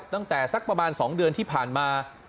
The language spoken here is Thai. ตั้งแต่สักประมาณ๒เดือนที่ผ่านมา